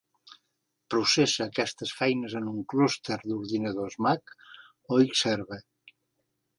Processa aquestes feines en un clúster d'ordinadors Mac o Xserve.